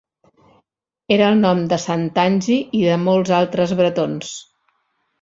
Era el nom de Sant Tangi i de molts altres bretons.